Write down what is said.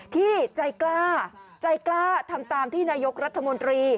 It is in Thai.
ที่ใจกล้าใจกล้าทำตามที่นายกรัฐมนตรี